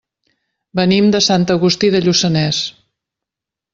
Venim de Sant Agustí de Lluçanès.